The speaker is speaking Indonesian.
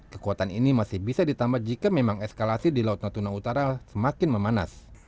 kekuatan ini masih bisa ditambah jika memang eskalasi di laut natuna utara semakin memanas